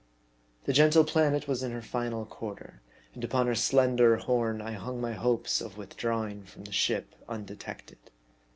The gentle planet was in her final quarter, and upon her slender horn I hung my hopes of withdrawing from the ship undetected.